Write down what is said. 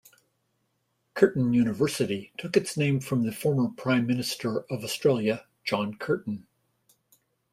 Curtin University took its name from the former Prime Minister of Australia, John Curtin.